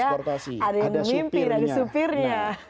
ada yang mimpi dari supirnya